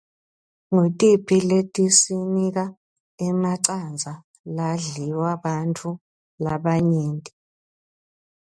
Ngutiphi letisinika emacandza ladliwa bantfu labanyenti?